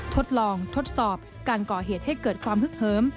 ทดลองทดสอบการก่อเหตุให้เกิดความฮึกเหิม